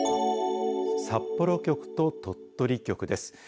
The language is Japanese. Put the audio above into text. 札幌局と鳥取局です。